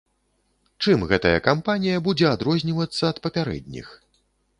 Чым гэтая кампанія будзе адрознівацца ад папярэдніх?